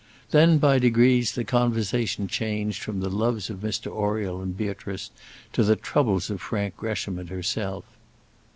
Then, by degrees, the conversation changed from the loves of Mr Oriel and Beatrice to the troubles of Frank Gresham and herself.